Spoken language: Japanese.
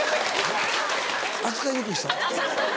扱いにくい人？